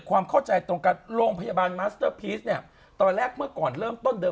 ก็บางครั้งได้อยู่